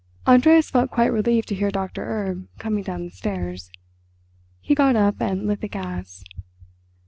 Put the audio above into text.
Andreas felt quite relieved to hear Doctor Erb coming down the stairs; he got up and lit the gas.